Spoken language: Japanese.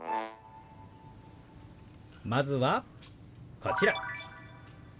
まずはこちら。